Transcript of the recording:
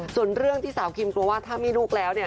ส่วนเรื่องที่สาวคิมกลัวว่าถ้ามีลูกแล้วเนี่ย